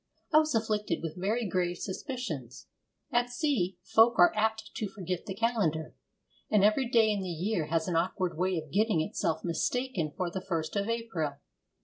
I was afflicted with very grave suspicions. At sea, folk are apt to forget the calendar, and every day in the year has an awkward way of getting itself mistaken for the first of April.